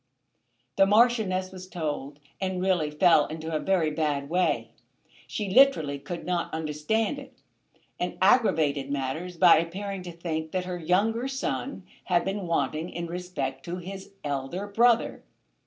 The Marchioness was told and really fell into a very bad way. She literally could not understand it, and aggravated matters by appearing to think that her younger son had been wanting in respect to his elder brother.